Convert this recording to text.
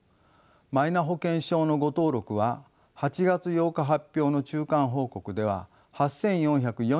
マイナ保険証の誤登録は８月８日発表の中間報告では８，４４１件に上りました。